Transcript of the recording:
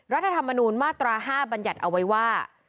รัฐธรรมนูญมาตรา๕บัญญัติเอาไว้ว่า